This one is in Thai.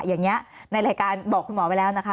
อย่างนี้ในรายการบอกคุณหมอไปแล้วนะคะ